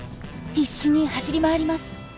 必死に走り回ります。